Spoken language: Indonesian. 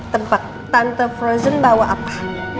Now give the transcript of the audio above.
tempat tante frozen bawa apa